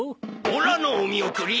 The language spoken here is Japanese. オラのお見送り！